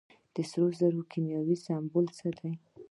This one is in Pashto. د سرو زرو کیمیاوي سمبول څه دی.